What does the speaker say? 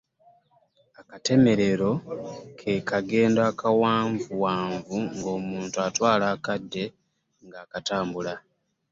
Akatemerero ke kagendo akawanvuwanvu ng'omuntu atwala akadde ng'akatambula.